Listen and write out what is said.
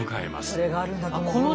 これがあるんだ。